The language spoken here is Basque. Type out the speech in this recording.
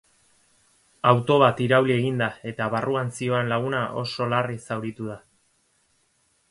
Auto bat irauli egin da eta barruan zihoan laguna oso larri zauritu da.